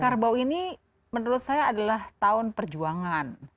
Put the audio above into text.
jadi kerbau ini menurut saya adalah tahun perjuangan